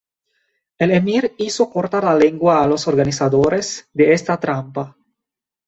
El emir hizo cortar la lengua a los organizadores de esta trampa.